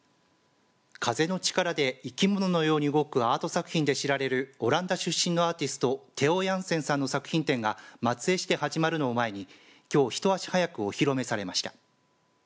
風の力で生き物のように動くアート作品で知られるオランダ出身のアーティストテオ・ヤンセンさんの作品展が松江市で始まるのを前にきょう一足早くお披露目されました。